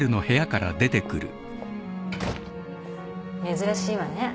珍しいわね。